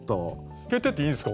透けてていいんですか？